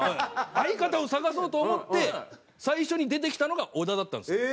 相方を探そうと思って最初に出てきたのが小田だったんですよ。